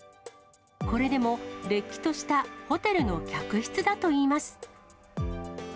これでもれっきとしたホテルの客室だといいます。